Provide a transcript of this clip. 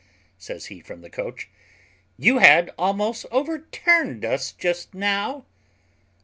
says he from the coach; "you had almost overturned us just now."